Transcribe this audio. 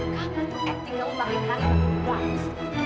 kamu berpengaruh untuk membangun diri kamu